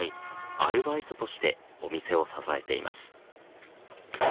アルバイトとしてお店を支えています。